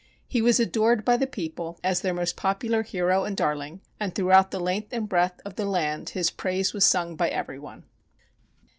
He was adored by the people as their most popular hero and darling, and throughout the length and breadth of the land his praise was sung by every one.